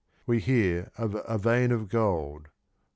We hear of " a vein of gold " (II.